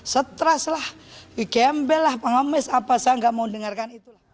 keteras lah kembel lah pengamis apa saya nggak mau dengarkan